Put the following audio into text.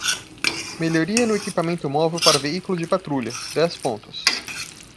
Melhoria no equipamento móvel para veículos de patrulha: dez pontos.